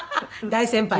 大先輩。